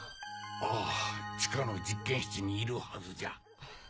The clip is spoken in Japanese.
ああ地下の実験室にいるはずじゃ。